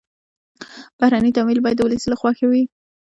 بهرني تمویل باید د ولس له خوښې وي.